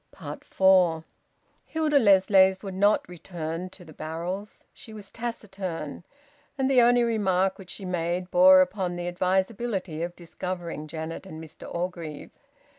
FOUR. Hilda Lessways would not return to the barrels. She was taciturn, and the only remark which she made bore upon the advisability of discovering Janet and Mr Orgreave.